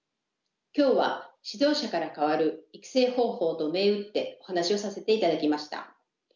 今日は「指導者から変わる育成方法」と銘打ってお話しをさせていただきました。